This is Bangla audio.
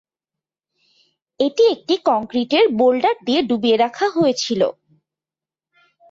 এটি একটি কংক্রিটের বোল্ডার দিয়ে ডুবিয়ে রাখা হয়েছিল।